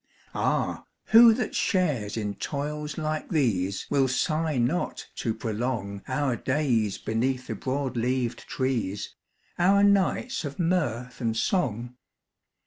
Ah, who that shares in toils like these Will sigh not to prolong Our days beneath the broad leaved trees, Our nights of mirth and song?